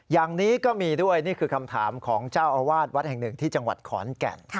อย่างนี้ก็มีด้วยนี่คือคำถามของเจ้าอาวาสวัดแห่งหนึ่งที่จังหวัดขอนแก่น